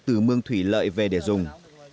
từ mương thủy lợi về để dùng